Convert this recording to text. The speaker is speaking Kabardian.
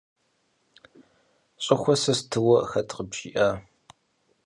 Щӏыхуэ сэ стыуэ хэт къыбжиӏа?